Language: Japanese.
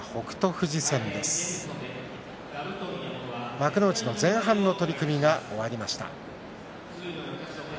幕内の前半の取組が終わりました。